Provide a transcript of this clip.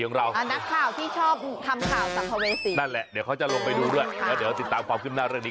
หนักข่าวที่ชอบทำข่าวสัมภเวษี